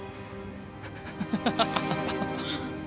ハハハハ。